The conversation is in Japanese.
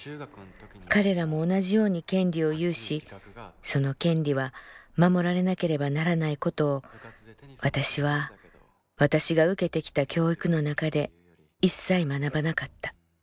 彼らも同じように権利を有しその権利は守られなければならないことを私は私が受けてきた教育の中でいっさい学ばなかった」。